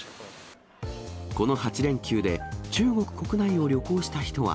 この８連休で中国国内を旅行した人は、